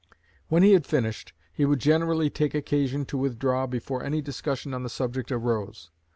When he had finished, he would generally take occasion to withdraw before any discussion on the subject arose.